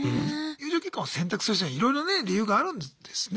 友情結婚を選択する人にはいろいろね理由があるんですね。